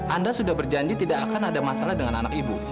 anda sudah berjanji tidak akan ada masalah dengan anak ibu